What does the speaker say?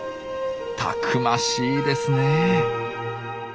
たくましいですね。